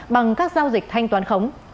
bằng các giao dịch thanh toán khống